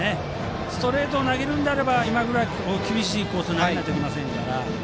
ストレートを投げるのであれば今ぐらいの厳しいコースに投げないといけませんから。